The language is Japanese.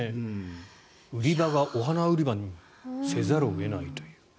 売り場がお花売り場にせざるを得ないという。